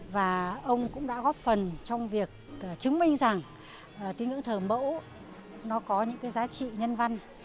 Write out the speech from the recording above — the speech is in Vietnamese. và ông cũng đã góp phần trong việc chứng minh rằng tiến ngưỡng thờ mẫu có những giá trị nhân văn